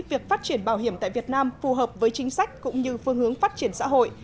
việc phát triển bảo hiểm tại việt nam phù hợp với chính sách cũng như phương hướng phát triển xã hội